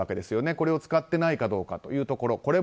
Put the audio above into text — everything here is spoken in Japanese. これを使っていないかどうかというところ。